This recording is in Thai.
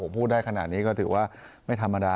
ผมพูดได้ขนาดนี้ก็ถือว่าไม่ธรรมดา